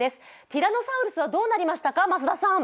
ティラノサウルスはどうなりましたか？